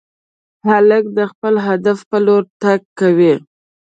هلک د خپل هدف په لور تګ کوي.